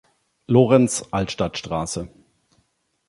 Lorenz, Altstadt-St.